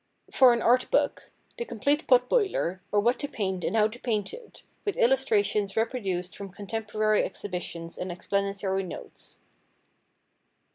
For an Art book: The Complete Pot boiler; or what to paint and how to paint it, with illustrations reproduced from contemporary exhibitions and explanatory notes.